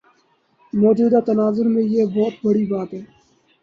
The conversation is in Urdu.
موجودہ تناظر میں یہ بہت بڑی بات ہے۔